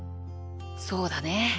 そうだね。